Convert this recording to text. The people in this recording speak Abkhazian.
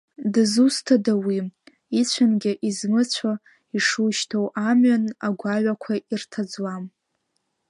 Дызусҭада уи, ицәангьы измыцәо, ишушьҭоу амҩан агәаҩақәа ирҭаӡуам.